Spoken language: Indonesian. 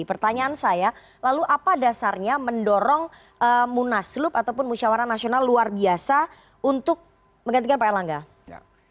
pertanyaan saya lalu apa dasarnya mendorong munaslup ataupun musyawara nasional luar biasa untuk menggantikan pak erlangga